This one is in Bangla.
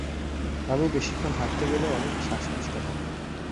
আমি বেশিক্ষণ হাঁটতে গেলে অনেক শ্বাসকষ্ট হয়।